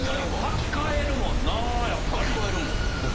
はき替えるもんなやっぱり。